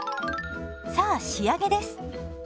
さあ仕上げです。